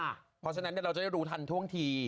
เพราะฉะนั้นเราจะได้รู้ทันท่วงที